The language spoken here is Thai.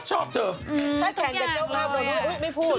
ถ้าแข่งกับเจ้าพราหมณ์โดนลูกรุ๊ปไม่พูด